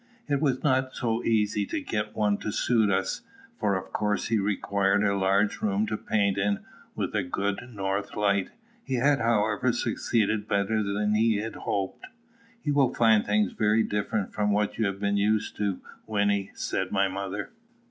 It was not so easy to get one to suit us; for of course he required a large room to paint in, with a good north light. He had however succeeded better than he had hoped. "You will find things very different from what you have been used to, Wynnie," said my mother.